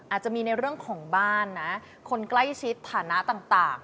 อาจจะมีในเรื่องของบ้านนะคนใกล้ชิดฐานะต่าง